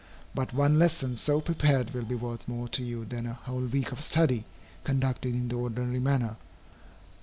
But one lesson so prepared will be worth more to you than a whole week of study conducted in the ordinary manner.